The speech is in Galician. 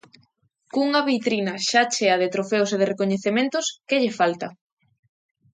Cunha vitrina xa chea de trofeos e de recoñecementos, que lle falta?